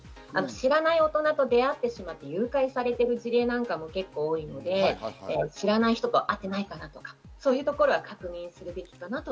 知らない大人と出会ってしまって、誘拐されている事例なんかも結構多いので、知らない人と会っていないかな？とか、そういうところは確認すべ